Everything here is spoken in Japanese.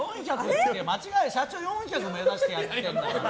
社長、４００目指してやってたんだから。